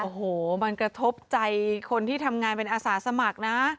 โอ้โหมันกระทบใจคนที่ทำงานเป็นอาสาสมัครนะ